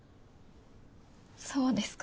そうですか？